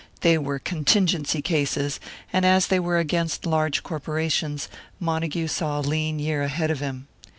They were contingency cases, and as they were against large corporations, Montague saw a lean year ahead of him.